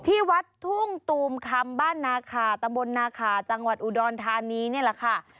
ที่วัดทุ่งตูมคำบ้านนาคาตำบลนาคาจังหวัดอุดรธานีนี่แหละค่ะ